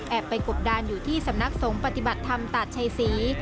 ไปกบดานอยู่ที่สำนักสงฆ์ปฏิบัติธรรมตาดชัยศรี